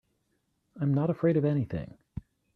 I'm not afraid of anything.